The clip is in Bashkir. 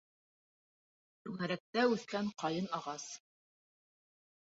Туңәрәктә уҫкән ҡайын ағас